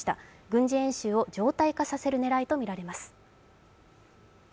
軍事演習を常態化させる狙いだとみられます。